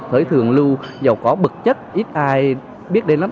thời thường lưu giàu có bậc chất ít ai biết đến lắm